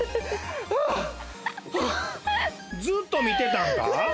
ずっと見てたんか？